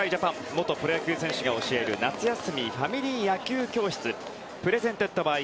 元プロ野球選手が教える夏休みファミリー野球教室ｐｒｅｓｅｎｔｅｄｂｙ